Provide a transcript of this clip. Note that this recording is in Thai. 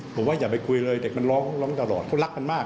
ผมว่าอย่าไปคุยเลยเด็กมันร้องตลอดเพราะรักกันมาก